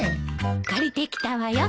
借りてきたわよ。